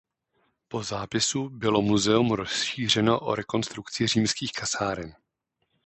Po zápisu bylo muzeum rozšířeno o rekonstrukci římských kasáren.